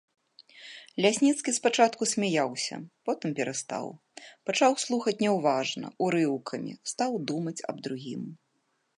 Лясніцкі спачатку смяяўся, потым перастаў, пачаў слухаць няўважна, урыўкамі, стаў думаць аб другім.